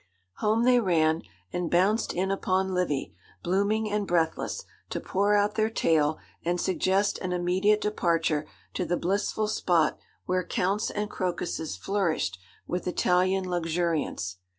Home they ran and bounced in upon Livy, blooming and breathless, to pour out their tale, and suggest an immediate departure to the blissful spot where counts and crocuses flourished with Italian luxuriance.